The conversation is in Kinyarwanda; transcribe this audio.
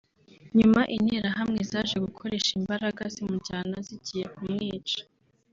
nyuma interahamwe zaje gukoresha imbaraga zimujyana zigiye kumwica